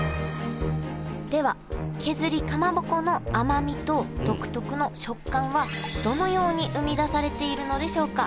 では削りかまぼこの甘みと独特の食感はどのように生み出されているのでしょうか